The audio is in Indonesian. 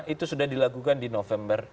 itu sudah dilakukan di november